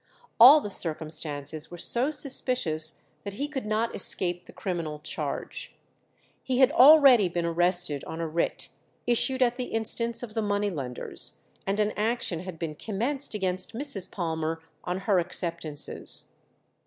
All the circumstances were so suspicious that he could not escape the criminal charge. He had already been arrested on a writ issued at the instance of the money lenders, and an action had been commenced against Mrs. Palmer on her acceptances.